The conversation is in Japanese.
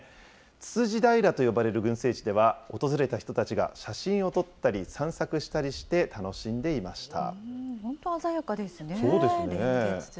つつじ平と呼ばれる群生地では、訪れた人たちが写真を撮ったり、散策したりして楽しんでいました。